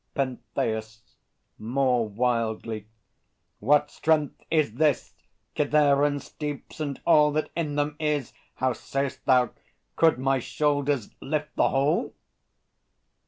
PENTHEUS (more wildly). What strength is this! Kithaeron's steeps and all that in them is How say'st thou? Could my shoulders lift the whole?